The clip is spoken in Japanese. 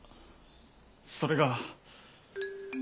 それが。